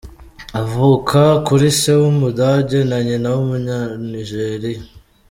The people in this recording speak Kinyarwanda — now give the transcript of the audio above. Avuka kuri se w’Umudage na nyina w’Umunyanijiriya.